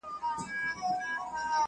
چاته وايی نابغه د دې جهان یې!!